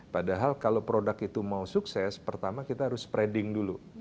padahal kalau produk itu mau sukses pertama kita harus preding dulu